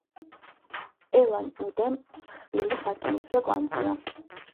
ულან-უდე მსხვილი სარკინიგზო კვანძია.